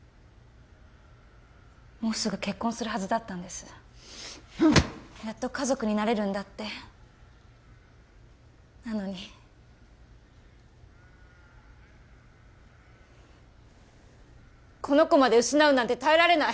もうすぐ結婚するはずだったんですやっと家族になれるんだってなのにこの子まで失うなんて耐えられない！